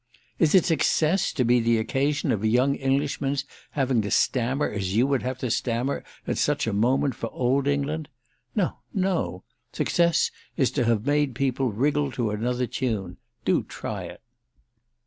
Is it success to be the occasion of a young Englishman's having to stammer as you would have to stammer at such a moment for old England? No, no; success is to have made people wriggle to another tune. Do try it!"